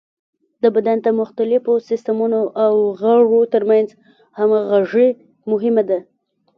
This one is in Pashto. د بدن د مختلفو سیستمونو او غړو تر منځ همغږي مهمه ده.